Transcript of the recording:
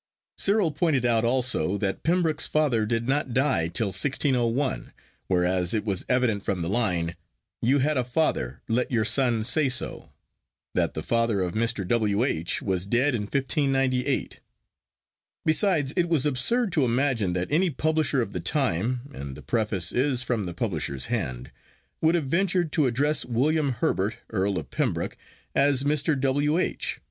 'Cyril pointed out also that Pembroke's father did not die till 1601; whereas it was evident from the line, You had a father; let your son say so, that the father of Mr. W. H. was dead in 1598. Besides, it was absurd to imagine that any publisher of the time, and the preface is from the publisher's hand, would have ventured to address William Herbert, Earl of Pembroke, as Mr. W. H.